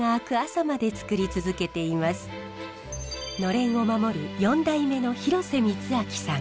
暖簾を守る４代目の廣瀬光昭さん。